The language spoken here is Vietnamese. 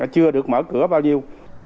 chưa được mở cửa bao nhiêu